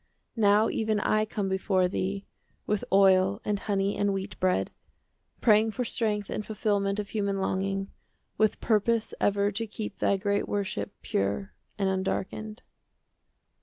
Now even I come before thee With oil and honey and wheat bread, Praying for strength and fulfilment Of human longing, with purpose 10 Ever to keep thy great worship Pure and undarkened.